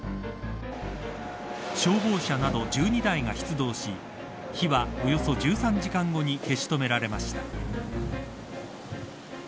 消防車など１２台が出動し火は、およそ１３時間後に消し止められました。